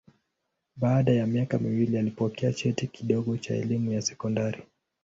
Baada ya miaka miwili alipokea cheti kidogo cha elimu ya sekondari.